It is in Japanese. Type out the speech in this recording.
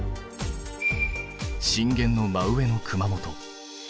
震源の真上の熊本。